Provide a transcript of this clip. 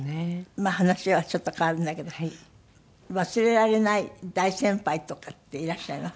まあ話はちょっと変わるんだけど忘れられない大先輩とかっていらっしゃいます？